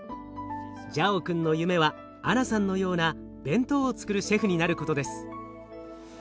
ジャオ君の夢はアナさんのような弁当をつくるシェフになることです。